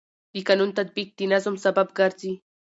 د قانون تطبیق د نظم سبب ګرځي.